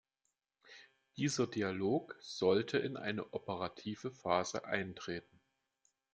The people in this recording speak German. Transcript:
Dieser Dialog sollte in eine operative Phase eintreten.